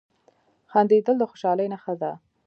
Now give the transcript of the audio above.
• خندېدل د خوشحالۍ نښه ده.